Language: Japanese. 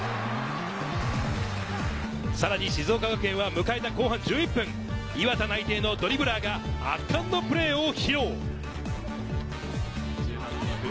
さらに静岡学園は迎えた後半１１分、磐田内定のドリブラーが圧巻のプレーを披露。